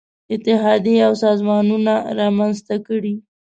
اتحادیې او سازمانونه رامنځته کړي.